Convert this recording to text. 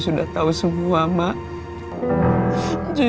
sudah tahu semua mbak